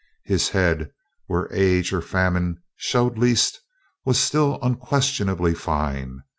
His head, where age or famine showed least, was still unquestionably fine.